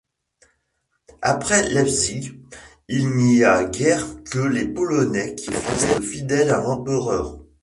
Après Leipzig, il n'y a guère que les Polonais qui restent fidèles à l'Empereur.